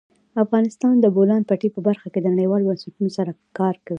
افغانستان د د بولان پټي په برخه کې نړیوالو بنسټونو سره کار کوي.